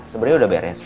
sebenarnya udah beres